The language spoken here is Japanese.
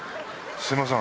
すみません。